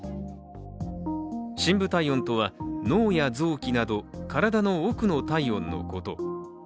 深部体温とは、脳や臓器など体の奥の体温のこと。